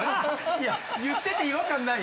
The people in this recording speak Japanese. ◆いや、言ってて違和感ない？